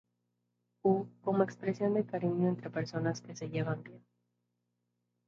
U. como expresión de cariño entre personas que se llevan bien.